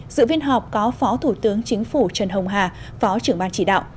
dự viên họp có phó thủ tướng chính phủ trần hồng hà phó trưởng ban chỉ đạo